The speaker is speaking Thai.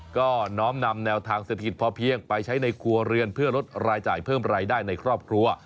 ก็น้อมนำแนวทางเศรษฐกิจพอเพียงไปใช้ในครัวเรือนเพื่อลดรายจ่ายเพิ่มรายได้ในครอบครัว